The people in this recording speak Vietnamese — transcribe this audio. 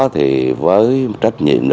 thì với trách nhiệm